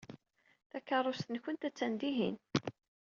Takeṛṛust-nwent attan dihin.